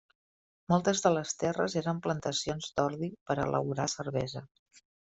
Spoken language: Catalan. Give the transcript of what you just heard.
Moltes de les terres eren plantacions d'ordi per a elaborar cervesa.